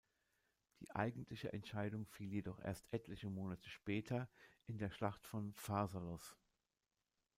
Die eigentliche Entscheidung fiel jedoch erst etliche Monate später in der Schlacht von Pharsalos.